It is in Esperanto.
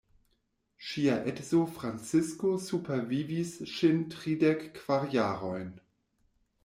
Ŝia edzo Francisko supervivis ŝin tridek kvar jarojn.